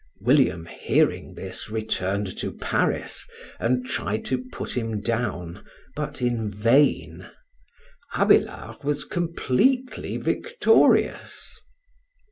William, hearing this, returned to Paris and tried to put him down, but in vain. Abélard was completely victorious.